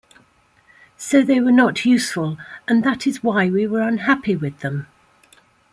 So they were not useful and that is why we were unhappy with them.